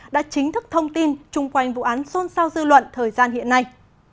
đã chính thức thông tin chung quanh vụ án xôn xao dư luận thời gian hiện nay